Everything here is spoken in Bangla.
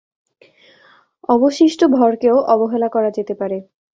অবশিষ্ট ভরকেও অবহেলা করা যেতে পারে।